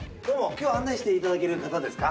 今日案内して頂ける方ですか？